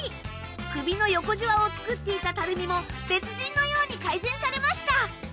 首の横ジワを作っていたたるみも別人のように改善されました。